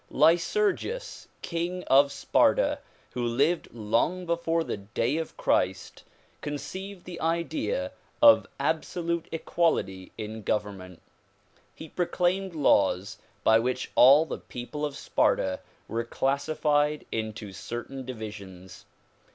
Lycurgus king of Sparta who lived long before the day of Christ conceived the idea of absolute equality in government. He proclaimed laws by which all the people of Sparta were classified into certain divisions.